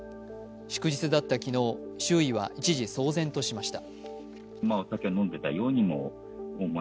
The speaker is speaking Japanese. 祝日だった昨日、周囲は一時騒然となりました。